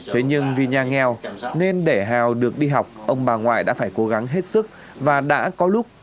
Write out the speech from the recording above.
thế nhưng vì nhà nghèo nên để hào được đi học ông bà ngoại đã phải cố gắng hết sức và đã có lúc